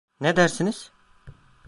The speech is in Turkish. Ne dersiniz?